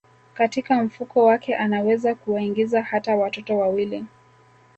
Katika mfuko wake anaweza kuwaingiza hata watoto wawili